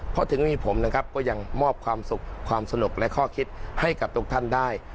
เพราะถึงมีผมนะครับก็ยังมอบความสุขความสนุกและข้อคิดให้กับทุกท่านได้